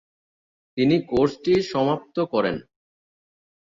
তিনি কোর্সটি সমাপ্ত করেন।